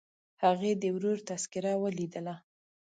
هغې د ورور تذکره ولیدله.